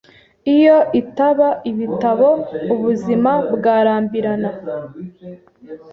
Iyo itaba ibitabo, ubuzima bwarambirana.